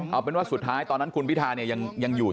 เอาเป็นว่าสุดท้ายตอนนั้นคุณพิทาเนี่ยยังอยู่